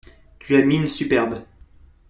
Tu as une mine superbe.